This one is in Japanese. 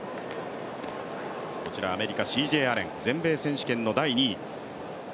こちらアメリカ、ＣＪ・アレン、全米選手権の第２位。